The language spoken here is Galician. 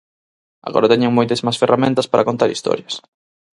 Agora teñen moitas máis ferramentas para contar historias.